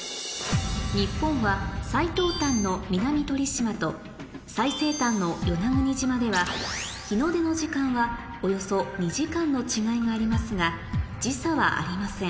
日本は最東端の南鳥島と最西端の与那国島では日の出の時間はおよそ２時間の違いがありますが時差はありません